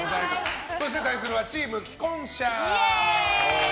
そして対するはチーム既婚者。